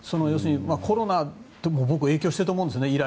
要するにコロナも影響していると思うんですね。